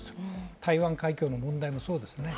台湾海峡の問題もそうです。